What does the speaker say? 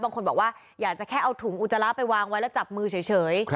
บางคนบอกว่าอยากจะแค่เอาถุงอุจจาระไปวางไว้แล้วจับมือเฉย